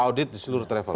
audit seluruh travel